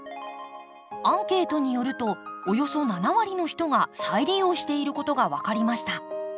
アンケートによるとおよそ７割の人が再利用していることが分かりました。